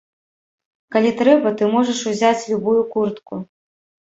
Калі трэба, ты можаш узяць любую куртку.